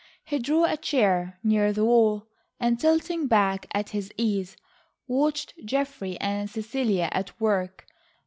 He drew a chair near the wall, and tilting back at his ease, watched Geoffrey and Cecilia at work.